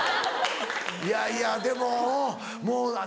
いやいやでもうん。